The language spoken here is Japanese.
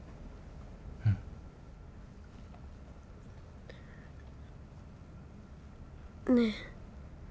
うん。ねえ。